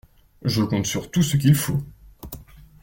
Je compte sur tout ce qu'il faut.